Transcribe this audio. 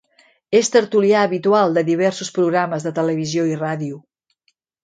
És tertulià habitual de diversos programes de televisió i ràdio.